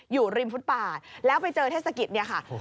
อยู่ริมฟุตบาทแล้วไปเจอเทศกิจเนี่ยค่ะ